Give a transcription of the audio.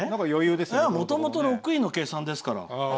もともと６位の計算ですから。